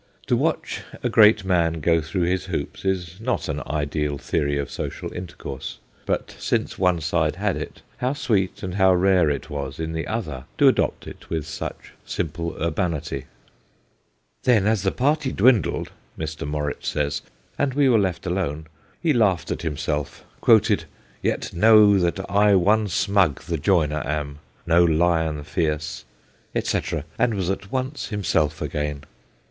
To watch a great man go througli his hoops is not an ideal theory of social intercourse ; but since one side had it, how sweet and how rare it was in the other to adopt it with such simple urbanity. ' Then, as the party dwindled/ Mr. Morritt says, 'and we were left alone, he laughed at him self, quoted " Yet know that I one Smug the joiner am no lion fierce," etc., and was at once himself again.'